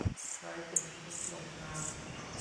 ใครเป็นคนลงนาม